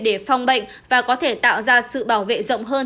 để phong bệnh và có thể tạo ra sự bảo vệ rộng hơn